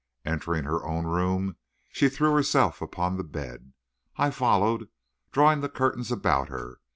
Entering her own room, she threw herself upon the bed. I followed, drawing the curtains about her.